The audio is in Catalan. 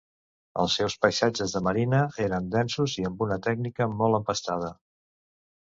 Els seus paisatges de marina eren densos i amb una tècnica molt empastada.